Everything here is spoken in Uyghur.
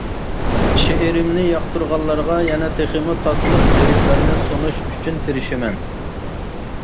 شېئىرىمنى ياقتۇرغانلارغا يەنە تېخىمۇ تاتلىق لىرىكىلارنى سۇنۇش ئۈچۈن تېرىشىمەن.